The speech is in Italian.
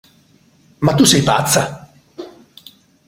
Ma tu sei pazza?